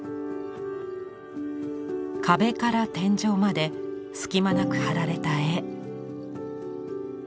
壁から天井まで隙間なく貼られた絵。